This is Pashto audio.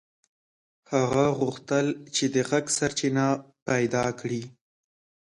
هغه غوښتل چې د غږ سرچینه پیدا کړي.